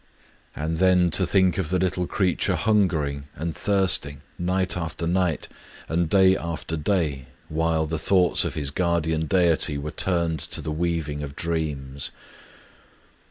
... And then to think of the Digitized by Googk KUSA HIBARI 241 little creature hungering and thirsting, night after night, and day after day, while the thoughts of his guardian deity were turned to the weaving of dreams